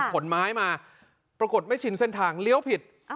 ขนไม้มาปรากฏไม่ชินเส้นทางเลี้ยวผิด